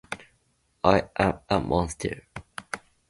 アイアムアモンスター